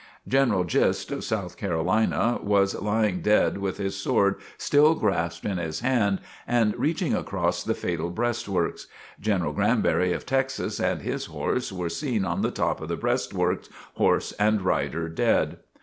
General Gist, of South Carolina, was lying dead with his sword still grasped in his hand and reaching across the fatal breastworks. General Granberry of Texas, and his horse were seen on the top of the breastworks, horse and rider, dead!